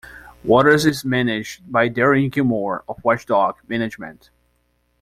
Watters is managed by Darren Gilmore of Watchdog Management.